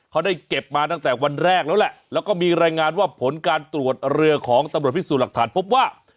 เขาได้เก็บมาตั้งแต่วันแรกแล้วแหละแล้วก็มีรายงานว่าผลการตรวจเรือของตำรวจพิสูจน์หลักฐานพบว่า